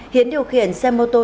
hiến điều khiển xe mô tô